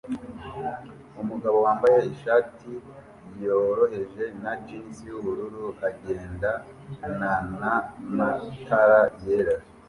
Umugabo wambaye ishati yoroheje na jinsi yubururu agenda nana matara yera